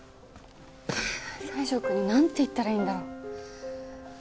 西条くんになんて言ったらいいんだろ。